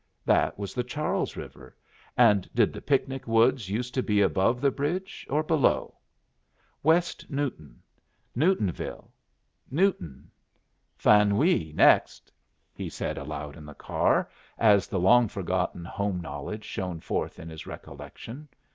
That was the Charles River, and did the picnic woods used to be above the bridge or below? West Newton; Newtonville; Newton. "Faneuil's next," he said aloud in the car, as the long forgotten home knowledge shone forth in his recollection.